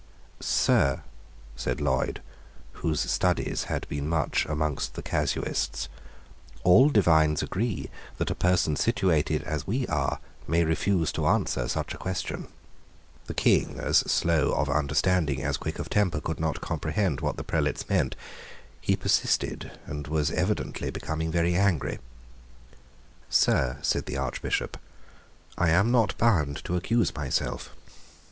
Sir," said Lloyd, whose studies had been much among the casuists, "all divines agree that a person situated as we are may refuse to answer such a question." The King, as slow of understanding as quick of temper, could not comprehend what the prelates meant. He persisted, and was evidently becoming very angry. "Sir," said the Archbishop, "I am not bound to accuse myself.